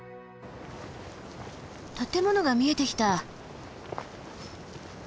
建物が見えてきた。